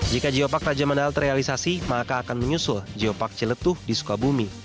jika geopark raja mandal terrealisasi maka akan menyusul geopark celetuh di sukabumi